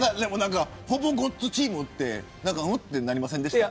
ほぼごっつチームってうんってなりませんでしたか。